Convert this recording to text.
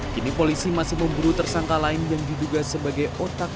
kini polisi masih memburu tersangka lain yang diduga sebagai otak